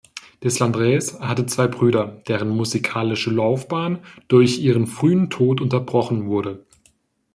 Deslandres hatte zwei Brüder, deren musikalische Laufbahn durch ihren frühen Tod unterbrochen wurde.